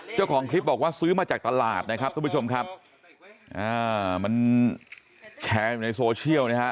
เจ้าของคลิปบอกว่าซื้อมาจากตลาดนะครับทุกผู้ชมครับอ่ามันแชร์อยู่ในโซเชียลนะฮะ